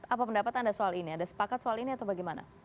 apa pendapat anda soal ini ada sepakat soal ini atau bagaimana